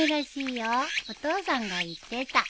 お父さんが言ってた。